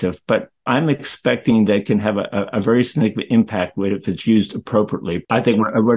tapi saya mengharapkan bahwa itu bisa memiliki impact yang sangat sedikit jika digunakan dengan tepat